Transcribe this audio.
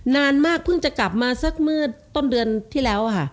นานมากเพิ่งจะกลับมาสักเมื่อต้นเดือนที่แล้วค่ะ